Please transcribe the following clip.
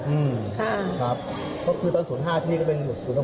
อืมค่ะครับเพราะคือตอนศูนย์ห้าที่นี่ก็เป็น